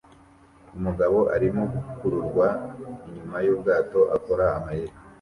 Umugabo arimo gukururwa inyuma yubwato akora amayeri